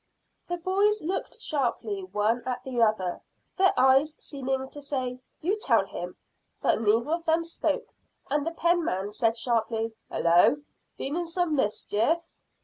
The boys looked sharply one at the other, their eyes seeming to say, "You tell him!" But neither of them spoke, and the penman said sharply "Hallo! Been in some mischief?"